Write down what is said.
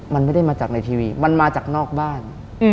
มันไม่ได้มาจากในทีวีมันมาจากนอกบ้าน